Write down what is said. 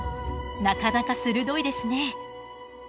なかなか鋭いですね。